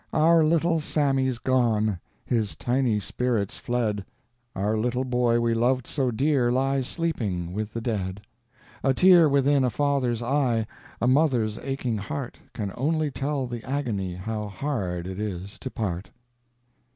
Our little Sammy's gone, His tiny spirit's fled; Our little boy we loved so dear Lies sleeping with the dead. A tear within a father's eye, A mother's aching heart, Can only tell the agony How hard it is to part.